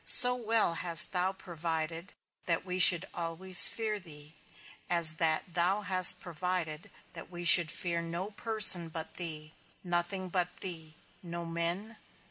So well hast thou provided that we should always fear thee, as that thou hast provided that we should fear no person but thee, nothing but thee; no men?